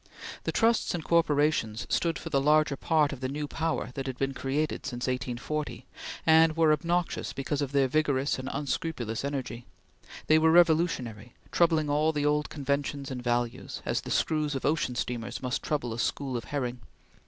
The Trusts and Corporations stood for the larger part of the new power that had been created since 1840, and were obnoxious because of their vigorous and unscrupulous energy. They were revolutionary, troubling all the old conventions and values, as the screws of ocean steamers must trouble a school of herring.